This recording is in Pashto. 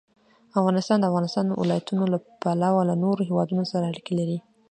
افغانستان د د افغانستان ولايتونه له پلوه له نورو هېوادونو سره اړیکې لري.